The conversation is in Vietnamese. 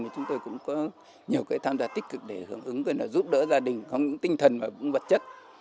thì chúng tôi cũng có nhiều cái tham gia tích cực để hưởng ứng giúp đỡ gia đình không những tinh thần mà cũng vật chất